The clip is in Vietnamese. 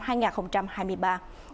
tại đây tổng cục thống kê cho biết